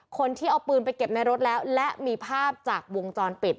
คนที่เอาปืนไปเก็บในรถแล้วและมีภาพจากวงจรปิด